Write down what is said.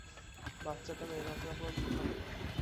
বাচ্চাটা মেরে না ফেলা পর্যন্ত থামে না।